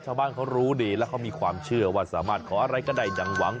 ชาวบ้านเขารู้ดีแล้วเขามีความเชื่อว่าสามารถขออะไรก็ได้ดังหวัง